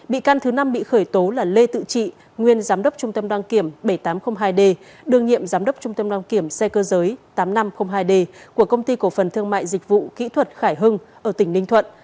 bị can thứ năm bị khởi tố là lê tự trị nguyên giám đốc trung tâm đăng kiểm bảy nghìn tám trăm linh hai d đường nhiệm giám đốc trung tâm đăng kiểm xe cơ giới tám nghìn năm trăm linh hai d của công ty cổ phần thương mại dịch vụ kỹ thuật khải hưng ở tỉnh ninh thuận